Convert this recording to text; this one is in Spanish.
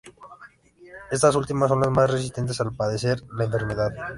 Estas últimas son las más resistentes a padecer la enfermedad.